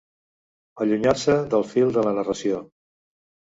Allunyar-se del fil de la narració.